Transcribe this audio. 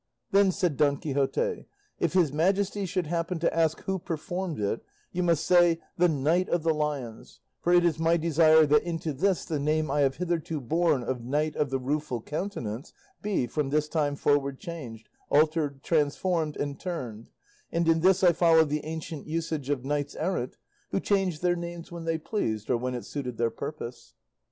"Then," said Don Quixote, "if his Majesty should happen to ask who performed it, you must say THE KNIGHT OF THE LIONS; for it is my desire that into this the name I have hitherto borne of Knight of the Rueful Countenance be from this time forward changed, altered, transformed, and turned; and in this I follow the ancient usage of knights errant, who changed their names when they pleased, or when it suited their purpose."